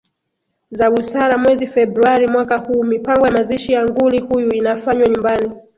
za Busara mwezi Februari mwaka huu Mipango ya mazishi ya nguli huyu inafanywa nyumbani